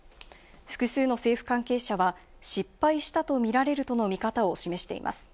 複数の政府関係者は失敗したとみられるとの見方を示しています。